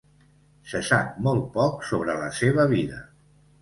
Se sap molt poc sobre la seva vida.